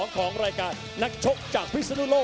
ของรายการนักชกจากพิศนุโลก